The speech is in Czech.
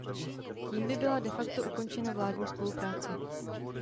Tím by byla de facto ukončena vládní spolupráce.